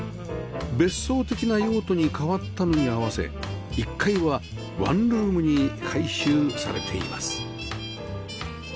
別荘的な用途に変わったのに合わせ１階はワンルームに改修されています